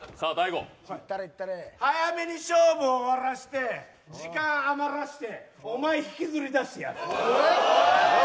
早めに勝負を終わらせて時間余らせておまえ、引きずり出してやる。